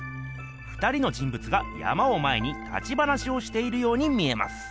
２人の人ぶつが山を前に立ち話をしているように見えます。